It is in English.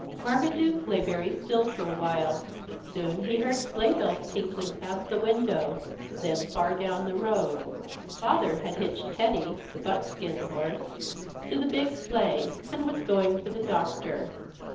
Marmaduke lay very still for a while. Soon he heard sleigh bells tinkling past the window, then far down the road. Father had hitched Teddy, the buckskin horse, to the big sleigh and was going for the Doctor.